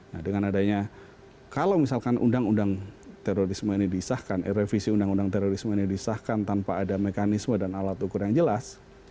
nah dengan adanya kalau misalkan undang undang terorisme ini disahkan revisi undang undang terorisme ini disahkan tanpa ada mekanisme dan alat ukur yang jelas